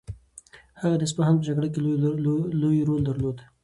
هغه د اصفهان په جګړه کې لوی رول درلود.